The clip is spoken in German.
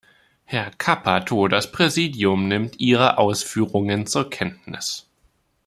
Herr Cappato, das Präsidium nimmt Ihre Ausführungen zur Kenntnis.